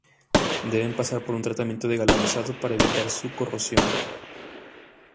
Deben pasar por un tratamiento de galvanizado para evitar su corrosión.